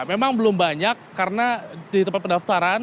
memang belum banyak karena di tempat pendaftaran